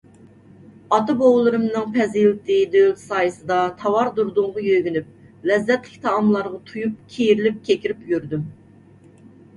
ئاتا - بوۋىلىرىمنىڭ پەزىلىتى - دۆلىتى سايىسىدا، تاۋار - دۇردۇنغا يۆگىنىپ، لەززەتلىك تائاملارغا تويۇپ، كېرىلىپ - كېكىرىپ يۈردۈم.